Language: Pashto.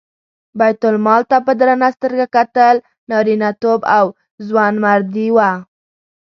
بیت المال ته په درنه سترګه کتل نارینتوب او ځوانمردي وه.